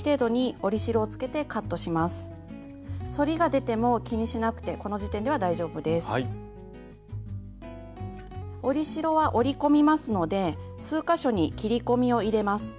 折り代は折り込みますので数か所に切り込みを入れます。